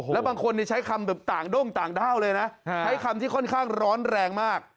แล้วบางคนใช้คำแบบต่างด้งต่างด้าวเลยนะใช้คำที่ค่อนข้างร้อนแรงมาก